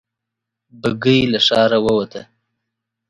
بګۍ له ښاره ووته.